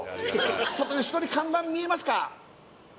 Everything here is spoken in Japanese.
ちょっと後ろに看板見えますか？